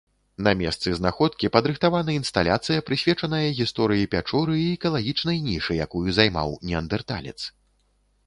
На месцы знаходкі падрыхтавана інсталяцыя, прысвечаная гісторыі пячоры і экалагічнай нішы, якую займаў неандэрталец.